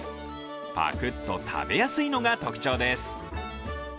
パクッと食べやすいのが特徴です。